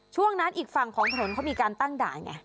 ช่วงนั้นอีกฝั่งของถนนเขามีการตั้งด่านไง